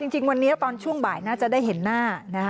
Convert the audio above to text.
จริงวันนี้ตอนช่วงบ่ายน่าจะได้เห็นหน้านะคะ